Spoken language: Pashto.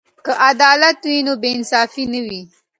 که عدالت وي نو بې انصافي نه وي.